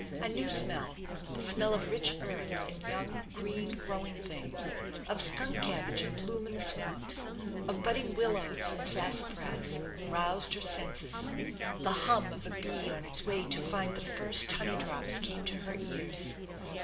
A new smell, the smell of rich earth and young green growing things, of skunk cabbage in bloom in the swamps, of budding willows and sassafras, roused her senses; the hum of a bee on its way to find the first honey drops came to her ears.